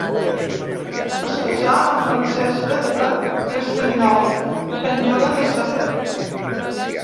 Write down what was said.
Es casà amb Francesca de Castellnou, senyora de Ceret.